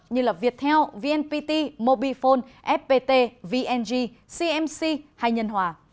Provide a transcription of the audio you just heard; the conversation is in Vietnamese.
như viettel vnpt mobifone fpt vn cmc hay nhân hòa